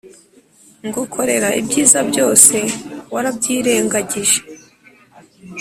ngukorera ibyiza byose warabyirengagije